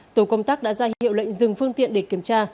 tổ công tác đã ra hiệu lệnh dừng phương tiện để kiểm tra